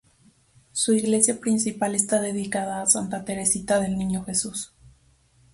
Su iglesia principal está dedicada a Santa Teresita del Niño Jesús.